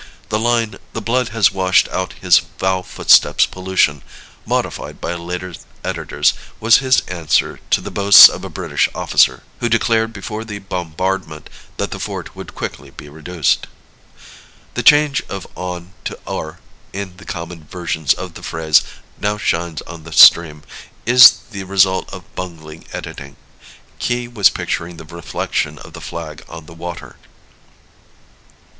The line, "This blood has washed out his foul footstep's pollution," modified by later editors, was his answer to the boasts of a British officer, who declared before the bombardment that the fort would quickly be reduced. The change of "on" to "o'er" in the common versions of the phrase "now shines on the stream" is the result of bungling editing. Key was picturing the reflection of the flag on the water.